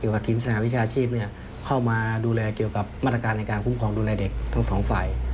เกี่ยวกับฐินสนามวิชาชอาชีพเข้ามาดูแลเกี่ยวกับมาตรการภูมิครองดูแลเด็กของสองฝ่าย